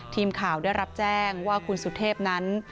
ทีมข่าวได้รับแจ้งว่าคุณสุเทพนั้น